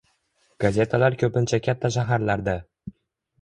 Gazetalar ko'pincha katta shaharlarda